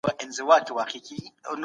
ملکيت بايد د برکت سبب سي.